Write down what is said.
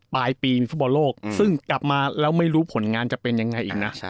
ปลายปีฟุตบอลโลกซึ่งกลับมาแล้วไม่รู้ผลงานจะเป็นยังไงอีกนะ